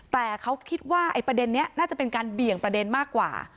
แต่เขาคิดว่าประเด็นนี้น่าจะเป็นการเบี่ยงประเด็นมากกว่า